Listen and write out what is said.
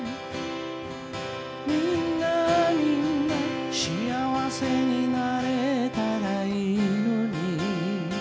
「みんなみんなしあわせになれたらいいのに」